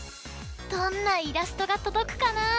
どんなイラストがとどくかな！